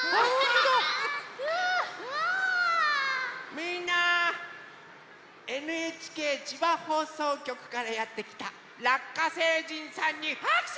みんなＮＨＫ千葉放送局からやってきたラッカ星人さんにはくしゅ！